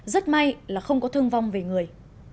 rất may là không có thương vong về người